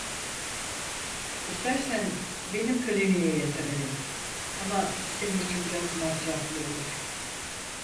İstersen benim kliniğe yatırayım, ama şenin için biraz masraflı olur.